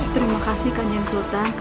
terima kasih kanjeng sultan